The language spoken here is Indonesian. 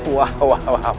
masih selalu menarik bobby